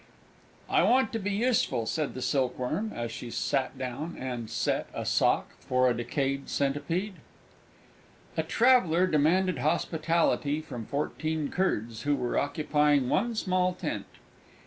"I want to be useful!" said the Silkworm, as she sat down and "set" a sock for a Decayed Centipede. A Traveller demanded hospitality from fourteen Kurds, who were occupying one small tent.